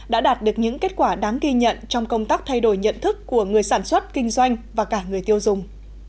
đã đạt được những kết quả đáng ghi nhận trong công tác thay đổi nhận thức của người sản xuất kinh doanh và cả người tiêu dùng